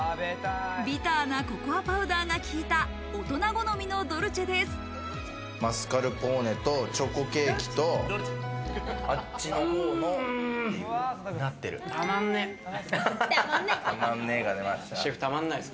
ビターなココアパウダーが効いた大人好みのドルチェです。